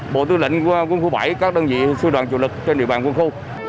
bộ tư lệnh quân khu bảy các đơn vị sư đoàn chủ lực trên địa bàn quân khu